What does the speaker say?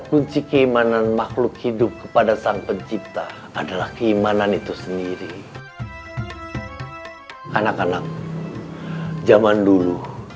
kunci keimanan makhluk hidup kepada sang pencipta adalah keimanan itu sendiri anak anak zaman dulu